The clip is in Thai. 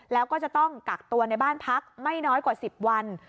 แล้วก็จะต้องกักตัวในบ้านพักไม่น้อยกว่า๑๐วัน